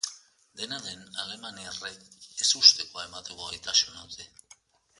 Dena den, alemaniarrek ezustekoa emateko gaitasuna dute.